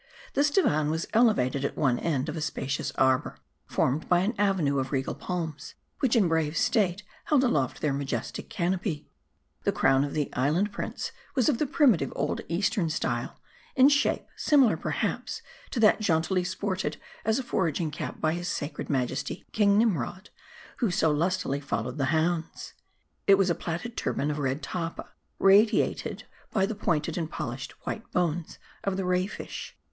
This divan was elevated at one end of a spacious arbor, formed by an avenue of regal palms, which in brave state, held aloft their majestical canopy. The crown of the island prince was of the primitm old Eastern style ; in shape, similar, perhaps, to that jauntily sported as a foraging cap by his sacred majesty King Nira rod, who so lustily followed the hounds. It was a plaited turban of red tappa, radiated by the pointed and polished white bones of the Ray fish.